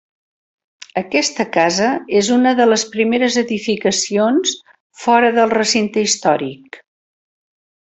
Aquesta casa és una de les primeres edificacions fora del recinte històric.